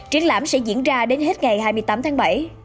triển lãm sẽ diễn ra đến hết ngày hai mươi tám tháng bảy